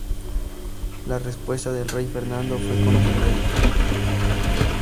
La respuesta del rey Fernando fue contundente.